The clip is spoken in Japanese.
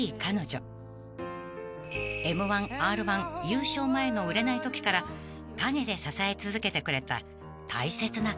［Ｍ−１Ｒ−１優勝前の売れないときから陰で支え続けてくれた大切な彼女］